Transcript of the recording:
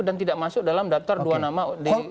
dan tidak masuk dalam daftar dua nama